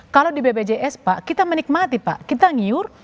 kalau di bpjs pak kita menikmati pak kita ngiur